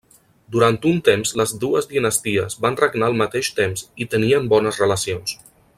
Durant un temps les dues dinasties van regnar al mateix temps i tenien bones relacions.